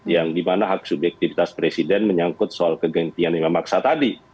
yang dimana hak subjektivitas presiden menyangkut soal kegantian yang memaksa tadi